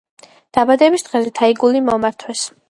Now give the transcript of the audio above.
დაბადების დღეზე თაიგული მომართვეს.